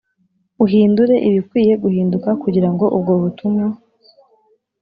Uhindure ibikwiye guhinduka kugira ngo ubutumwa